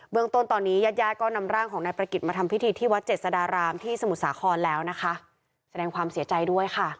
เมืองต้นตอนนี้ญาติญาติก็นำร่างของนายประกิจมาทำพิธีที่วัดเจษฎารามที่สมุทรสาครแล้วนะคะแสดงความเสียใจด้วยค่ะ